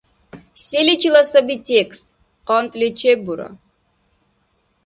Селичила саби текст? КъантӀли чеббура